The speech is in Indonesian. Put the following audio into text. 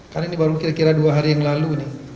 karena ini baru kira kira dua hari yang lalu